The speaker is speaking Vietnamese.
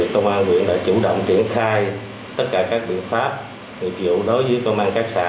công an huyện đã chủ động triển khai tất cả các biện pháp nghiệp vụ đối với công an các xã